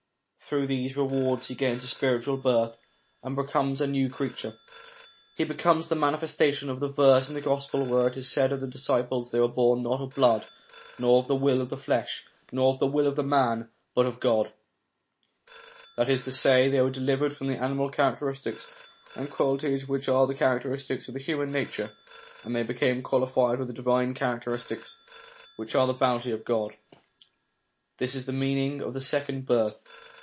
Through these rewards he gains spiritual birth, and becomes a new creature. He becomes the manifestation of the verse in the Gospel where it is said of the disciples that they were born not of blood, nor of the will of the flesh, nor of the will of man, but of God ; x that is to say, they were delivered from the animal characteristics and qualities which are the characteristics of human nature, and they became qualified with the divine characteristics, which are the bounty of God; this is the meaning of the second birth.